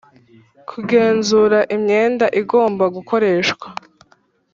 kugenzura imyenda igomba gukoreshwa